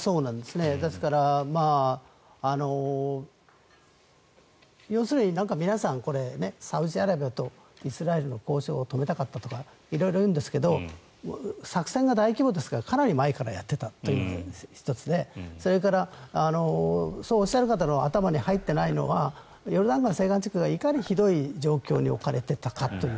ですから、要するに皆さんサウジアラビアとイスラエルの交渉を止めたかったとか色々言うんですけど作戦が大規模ですからかなり前からやっていたというのが１つでそれからそうおっしゃる方の頭に入っていないのはヨルダン川西岸地区がいかにひどい状況に置かれていたかという。